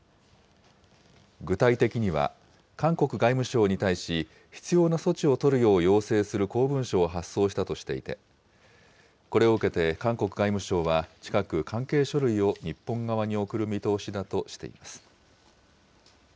具体的には、韓国外務省に対し、必要な措置を取るよう要請する公文書を発送したとしていて、これを受けて韓国外務省は、近く、関係書類を日本側に送る見通しだとしています。